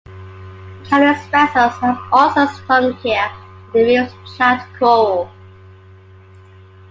Countless vessels have also sunk here on the reef's jagged coral.